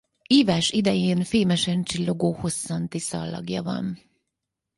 Ívás idején fémesen csillogó hosszanti szalagja van.